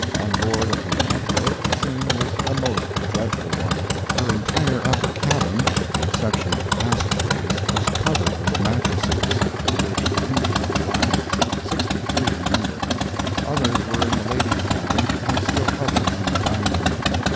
On board of the Antelope the scene was a most dreadful one. Her entire upper cabin, with the exception of the passage ways, was covered with mattresses, on which the injured were lying, sixty three in number. Others were in the ladies' cabin, and still others in the dining room.